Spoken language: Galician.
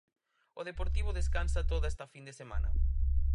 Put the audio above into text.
O Deportivo descansa toda esta fin de semana.